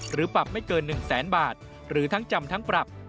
ปรับไม่เกิน๑แสนบาทหรือทั้งจำทั้งปรับ